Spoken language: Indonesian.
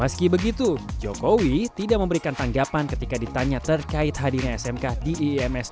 meski begitu jokowi tidak memberikan tanggapan ketika ditanya terkait hadirnya smk di iims dua ribu dua puluh tiga